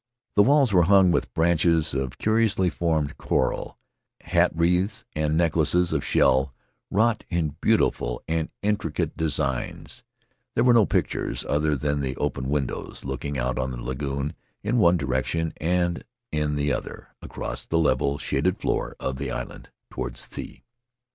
The walls were hung with branches of curiously formed coral, hat wreaths and necklaces of shell wrought in beautiful and intricate Faery Lands of the South Seas designs. There were no pictures other than the open windows looking out on the lagoon in one direction, and in the other, across the level, shaded floor of the island toward the sea.